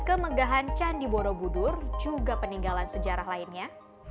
kemegahan candi borobudur juga peninggalan sejarah lainnya